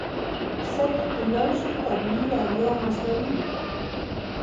سرې کیدای شي طبیعي او یا مصنوعي وي.